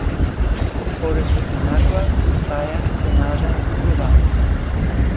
It borders with Managua, Masaya, Granada, and Rivas.